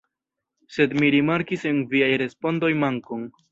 Sed mi rimarkis en viaj respondoj mankon.